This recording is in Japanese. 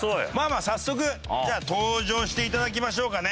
まあ早速じゃあ登場していただきましょうかね。